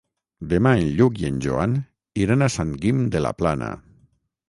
Demà en Lluc i en Joan iran a Sant Guim de la Plana.